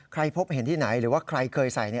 พบเห็นที่ไหนหรือว่าใครเคยใส่